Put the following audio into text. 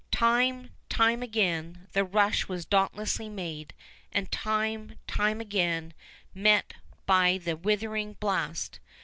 Time, time again, the rush was dauntlessly made, and time, time again met by the withering blast.